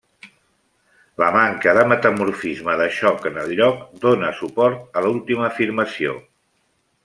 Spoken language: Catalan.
La manca de metamorfisme de xoc en el lloc dóna suport a l'última afirmació.